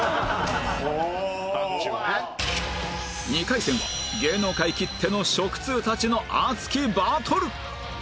２回戦は芸能界きっての食通たちの熱きバトル！